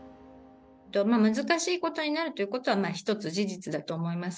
難しいことになるというのは一つ事実だと思います。